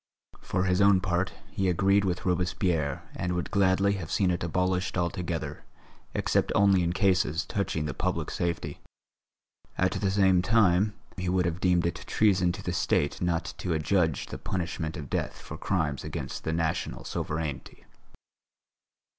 For his own part, he agreed with Robespierre and would gladly have seen it abolished altogether, except only in cases touching the public safety. At the same time, he would have deemed it treason to the State not to adjudge the punishment of death for crimes against the National Sovereignty.